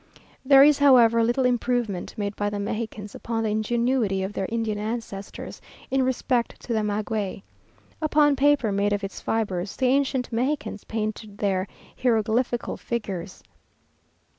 There is, however, little improvement made by the Mexicans upon the ingenuity of their Indian ancestors, in respect to the maguey. Upon paper made of its fibres, the ancient Mexicans painted their hieroglyphical figures.